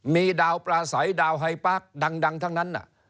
มีดาวปลาใสดาวไฮปาร์คดังทั้งนั้น